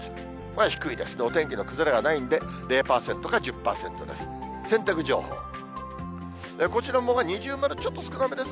低いです、お天気の崩れがないんで、０％か１０％です。